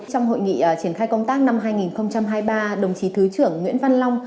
trong hội nghị triển khai công tác năm hai nghìn hai mươi ba đồng chí thứ trưởng nguyễn văn long